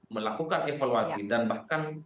melakukan evaluasi dan bahkan